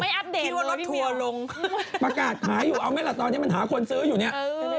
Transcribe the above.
อัปเดตคิดว่ารถทัวร์ลงประกาศขายอยู่เอาไหมล่ะตอนนี้มันหาคนซื้ออยู่เนี่ย